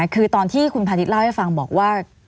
คือตอนที่คุณพาณิชยเล่าให้ฟังบอกว่า